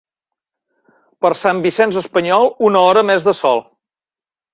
Per Sant Vicenç espanyol, una hora més de sol.